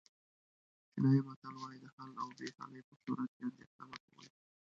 چینایي متل وایي د حل او بې حلۍ په صورت کې اندېښنه مه کوئ.